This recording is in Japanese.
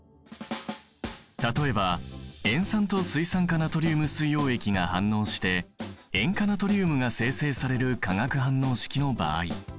例えば塩酸と水酸化ナトリウム水溶液が反応して塩化ナトリウムが生成される化学反応式の場合。